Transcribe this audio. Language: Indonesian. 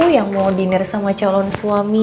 papa tidak mengerti apa hewan being nipis